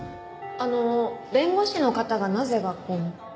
あの弁護士の方がなぜ学校に？